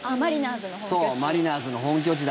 マリナーズの本拠地。